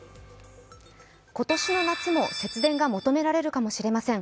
今年の夏も節電が求められるかもしれません。